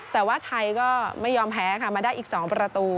แต่ว่าไทยก็ไม่ยอมแพ้ค่ะมาได้อีก๒ประตู